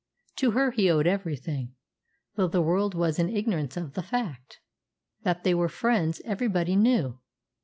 To her he owed everything, though the world was in ignorance of the fact. That they were friends everybody knew.